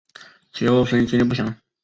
其后经历不详。